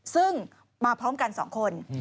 ซึ่งมาพร้อมกัน๒คน